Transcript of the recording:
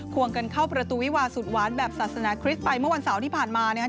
วงกันเข้าประตูวิวาสุดหวานแบบศาสนาคริสต์ไปเมื่อวันเสาร์ที่ผ่านมานะครับ